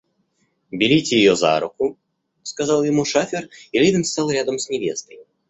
Берите ее за руку, — сказал ему шафер, и Левин стал рядом с невестой.